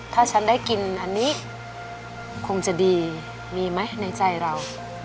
ถ้าฉันได้กินอันนี้คงจะดีมีไหมในใจเรา